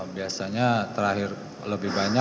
biasanya terakhir lebih banyak